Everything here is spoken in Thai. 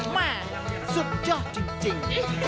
แม่สุดยอดจริง